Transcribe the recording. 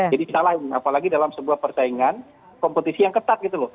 jadi salah apalagi dalam sebuah persaingan kompetisi yang ketat gitu loh